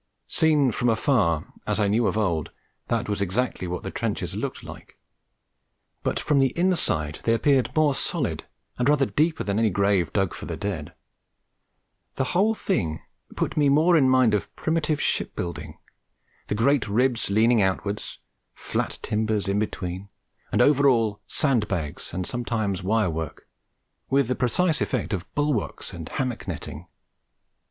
Seen from afar, as I knew of old, that was exactly what the trenches looked like; but from the inside they appeared more solid and rather deeper than any grave dug for the dead. The whole thing put me more in mind of primitive ship building the great ribs leaning outwards flat timbers in between and over all sand bags and sometimes wire work with the precise effect of bulwarks and hammock netting.